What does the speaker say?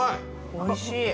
おいしい。